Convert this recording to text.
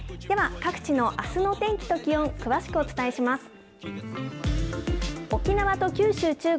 では、各地のあすの天気と気温、詳しくお伝えします。